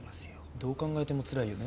どう考えてもつらいよね